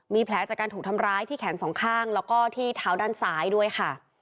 มีแผลจากการถูกทำร้ายที่แขนสองข้างแล้วก็ที่เท้าด้านซ้ายด้วยค่ะ